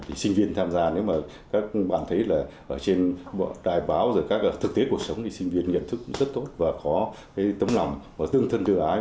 thì sinh viên tham gia các bạn thấy là ở trên đài báo các thực tế cuộc sống thì sinh viên nhận thức rất tốt và có tấm lòng và tương thân thương ái